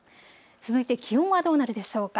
続いて気温はどうなるでしょうか。